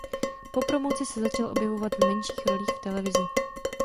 Po promoci se začal objevovat v menších rolích v televizi.